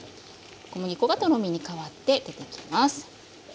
小麦粉がとろみに変わって出てきます。